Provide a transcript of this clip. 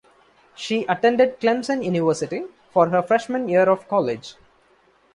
She attended Clemson University for her freshman year of college.